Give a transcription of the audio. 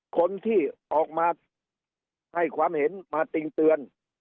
คนที่ออกมาให้ความเห็นมาติงเตือน